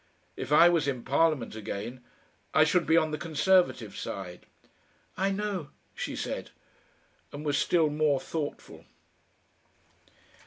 "If I was in Parliament again, I should be on the Conservative side." "I know," she said, and was still more thoughtful.